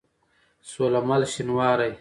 سوله مل شينوارى